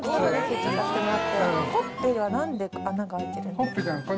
ほっぺは何で穴が開いてるんですか？